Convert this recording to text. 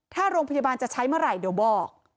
ถ้าโรงพยาบาลจะใช้เมื่อไหร่เดี๋ยวบอก